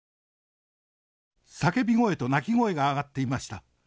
「叫び声と泣き声が上がっていました。